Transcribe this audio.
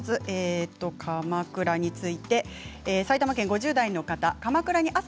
鎌倉について埼玉県５０代の方からです。